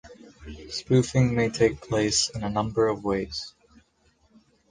Spoofing may take place in a number of ways.